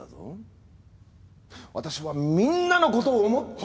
私はみんなのことを思って。